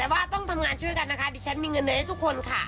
แต่ว่าต้องทำงานช่วยกันนะคะ